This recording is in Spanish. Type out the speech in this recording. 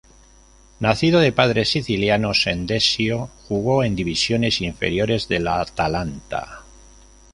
Nacido de padres sicilianos en Desio, jugó en divisiones inferiores del Atalanta.